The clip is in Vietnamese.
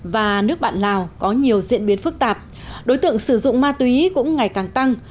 và nước bạn lào có nhiều diễn biến phức tạp đối tượng sử dụng ma túy cũng ngày càng tăng